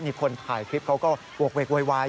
นี่คนถ่ายคลิปเขาก็โหกเวกโวยวาย